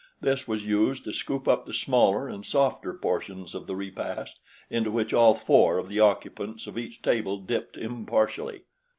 This was used to scoop up the smaller and softer portions of the repast into which all four of the occupants of each table dipped impartially.